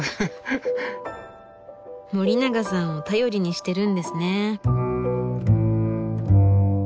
森永さんを頼りにしてるんですね。